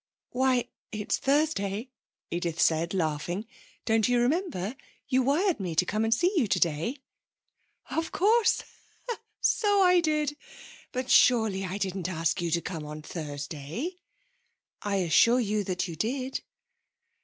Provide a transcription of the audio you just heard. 'Why, it's Thursday,' Edith said, laughing. 'Don't you remember? You wired to me to come and see you today.' 'Of course; so I did. But, surely, I didn't ask you to come on Thursday?' 'I assure you that you did.'